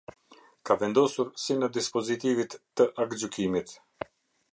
Ka vendosur si ne dispozitivit te aktgjykimit.